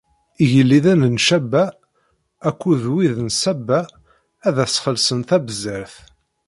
Igelliden n Caba akked wid n Saba ad as-xellṣen tabzert.